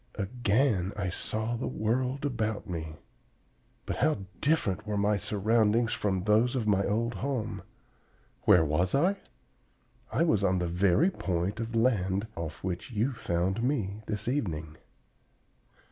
Again I saw the world about me. But how different were my surroundings from those of my old home! Where was I? I was on the very point of land off which you found me this evening.